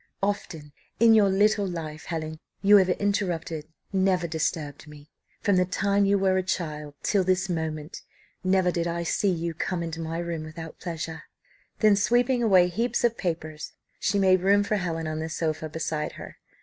Often in your little life, Helen, you have interrupted never disturbed me. From the time you were a child till this moment, never did I see you come into my room without pleasure." Then sweeping away heaps of papers, she made room for Helen on the sofa beside her.